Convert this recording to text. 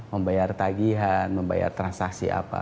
membayar tagihan membayar transaksi apa